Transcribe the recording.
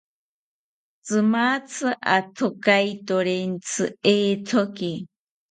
Tzimatzi atzikaitorentzi ithoki